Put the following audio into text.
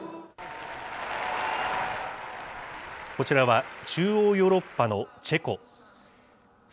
こちらは、中央ヨーロッパのチェコ。